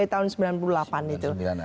tahun sembilan puluh delapan itu